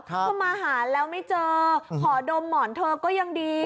ถ้ามาหาแล้วไม่เจอขอดมหมอนเธอก็ยังดี